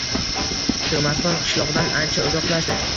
To’masxon qishloqdan ancha uzoqlashdi.